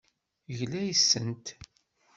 Yegla yes-sent.